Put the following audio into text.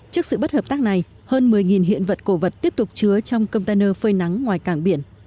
trước sự bất hợp tác này hơn một mươi hiện vật cổ vật tiếp tục chứa trong container phơi nắng ngoài cảng biển